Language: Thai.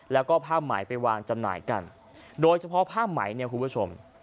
แล้วก็ผ้าไหมไปวางจำหน่ายกันโดยเฉพาะผ้าไหมเนี่ยคุณผู้ชม